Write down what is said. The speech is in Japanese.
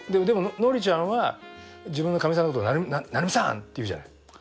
でもノリちゃんは自分のカミさんのことなるみさんって言うじゃない。